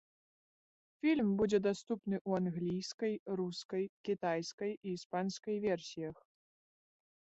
Фільм будзе даступны ў англійскай, рускай, кітайскай і іспанскай версіях.